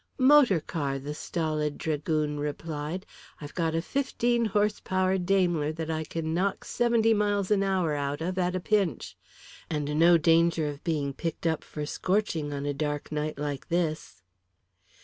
"Motor car," the stolid dragoon replied. "I've got a fifteen horsepower Daimler that I can knock seventy miles an hour out of at a pinch. And no danger of being picked up for scorching on a dark night like this."